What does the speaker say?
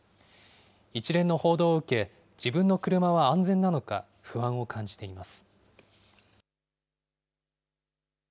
一連の報道を受け、自分の車は安全なのか、不安を感じています。